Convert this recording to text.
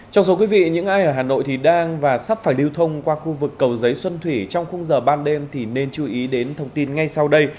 trong số quý vị những ai ở hà nội thì đang và sắp phải lưu thông qua khu vực cầu giấy xuân thủy trong khung giờ ban đêm thì nên chú ý đến thông tin ngay sau đây